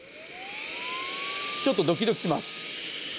ちょっとドキドキします。